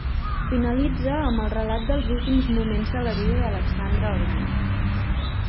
Finalitza amb el relat dels últims moments de la vida d'Alexandre el Gran.